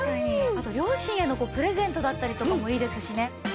あと両親へのプレゼントだったりとかもいいですしね。